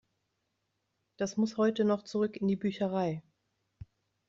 Das muss heute noch zurück in die Bücherei.